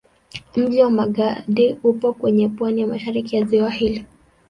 Mji wa Magadi upo kwenye pwani ya mashariki ya ziwa hili.